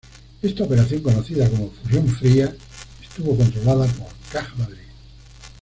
Esta operación conocida como "fusión fría" estuvo controlada por Caja Madrid.